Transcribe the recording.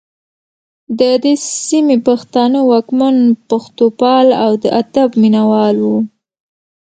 د دې سیمې پښتانه واکمن پښتوپال او د ادب مینه وال وو